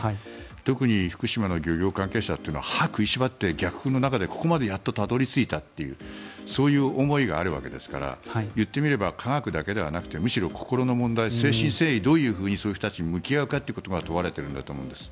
特に福島の漁業関係者というのは歯を食いしばって逆風の中でここまでやっとたどり着いたというそういう思いがあるわけですから言ってみれば科学だけではなくてむしろ、心の問題、誠心誠意そういう人たちにどういうふうに向き合うかということが問われているんだと思います。